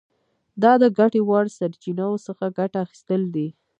دا د ګټې وړ سرچینو څخه ګټه اخیستل دي.